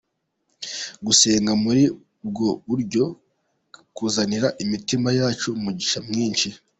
Gusenga muri ubwo buryo kuzanira imitima yacu umugisha mwinshi.